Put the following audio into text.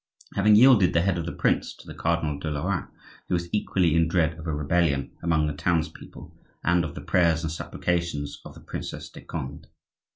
Having yielded the head of the prince to the Cardinal de Lorraine, he was equally in dread of a rebellion among the townspeople and of the prayers and supplications of the Princesse de Conde.